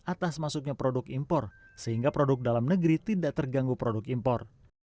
atas masuknya produk impor sehingga produk dalam negeri tidak terganggu produk impor